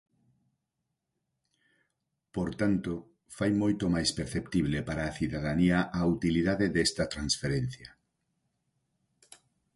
Por tanto, fai moito máis perceptible para a cidadanía a utilidade desta transferencia.